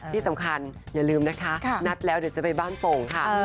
ที่สำคัญอย่าลืมนะคะนัดแล้วเดี๋ยวจะไปบ้านโป่งค่ะ